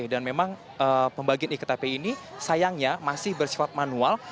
dan memang pembagian iktp ini sayangnya masih bersifat manual